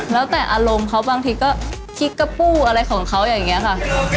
แล้วแต่อารมณ์เขาบางทีก็คิกกระปู้อะไรของเขาอย่างนี้ค่ะ